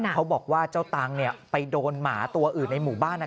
เขาบอกว่าเจ้าตังค์ไปโดนหมาตัวอื่นในหมู่บ้าน